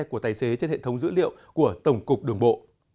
của tài xế trên hệ thống dữ liệu của tổng cục đường bộ